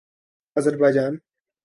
Azerbaijan